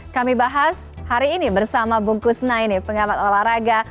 kami bahas hari ini bersama bungkus naini pengamat olahraga